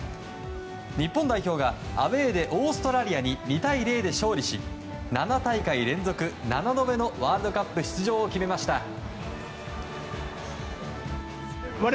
日本代表がアウェーでオーストラリアに２対０で勝利し７大会連続７度目のワールドカップ出場を決めました。